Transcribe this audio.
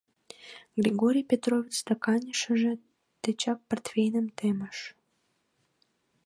— Григорий Петрович стаканешыже тичак портвейным темыш.